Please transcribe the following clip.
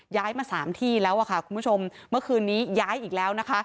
ย้ายมาสามที่แล้วอะค่ะคุณผู้ชมเมื่อคืนนี้ย้ายอีกแล้วนะคะ